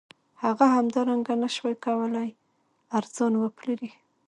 هغه همدارنګه نشوای کولی ارزان وپلوري